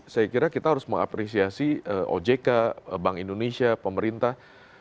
saya kira kita harus mengapresiasi ojk bank indonesia pemerintah